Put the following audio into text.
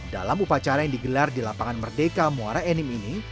dalam upacara yang digelar di lapangan merdeka muara enim ini